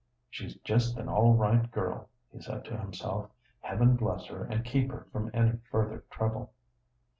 "She's just an all right girl," he said to himself. "Heaven bless her and keep her from any further trouble!"